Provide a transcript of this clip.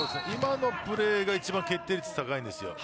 今のプレーが一番決定率高いんです。